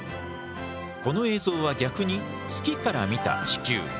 この映像は逆に月から見た地球。